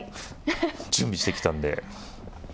準備してきたんで。